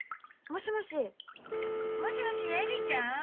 もしもし恵里ちゃん？